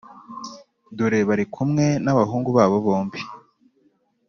Dore bari kumwe n ‘abahungu babo bombi .